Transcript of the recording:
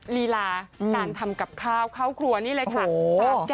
ลีลาการทำกับข้าวเข้าครัวนี่เลยค่ะ